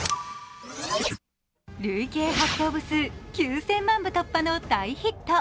累計発行部数９０００万部突破の大ヒット。